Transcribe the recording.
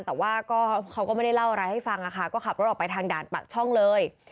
แต่ว่าก็เขาก็ไม่ได้เล่าอะไรให้ฟังนะคะก็ขับรถออกไปทางด่านปากช่องเลย